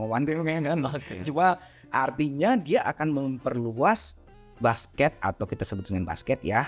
coba artinya dia akan memperluas basket atau kita sebut dengan basket ya